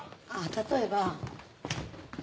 例えば。